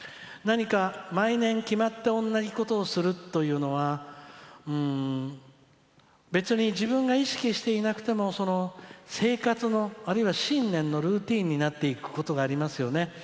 何か毎年決まった同じことをするというのは別に自分が意識していなくても生活の、あるいは新年のルーティンになっていることがありますよね。